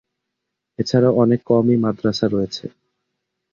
এছাড়াও অনেক কওমি মাদরাসা রয়েছে।